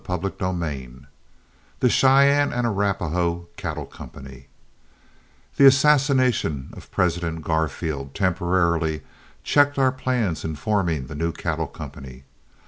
CHAPTER XIX THE CHEYENNE AND ARAPAHOE CATTLE COMPANY The assassination of President Garfield temporarily checked our plans in forming the new cattle company.